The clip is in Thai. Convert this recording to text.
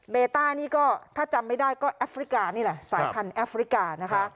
เบต้านี่ก็ถ้าจำไม่ได้ก็แอฟริกานี่แหละสายพันธุแอฟริกานะคะ